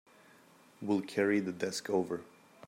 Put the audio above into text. We'll carry the desk over.